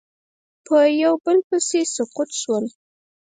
یو په بل پسې سقوط شول